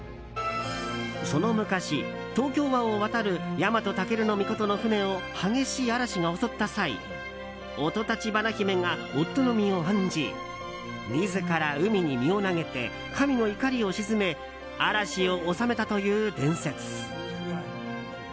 その昔、東京湾を渡るヤマトタケルノミコトの船を激しい嵐が襲った際オトタチバナヒメが夫の身を案じ自ら海に身を投げて神の怒りを鎮め嵐を治めたという伝説。